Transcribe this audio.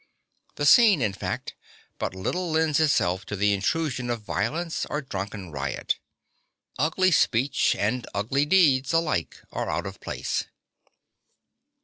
The scene, in fact, but little lends itself to the intrusion of violence or drunken riot; ugly speech and ugly deeds alike are out of place.